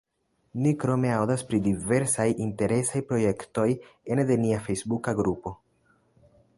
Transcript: Ni krome aŭdas pri diversaj interesaj projektoj ene de nia fejsbuka grupo.